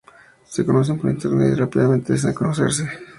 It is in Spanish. Se conocen por Internet y rápidamente desean conocerse.